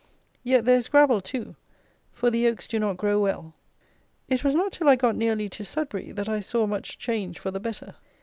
Yet there is gravel too; for the oaks do not grow well. It was not till I got nearly to SUDBURY that I saw much change for the better.